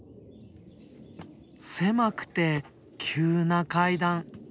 狭くて急な階段。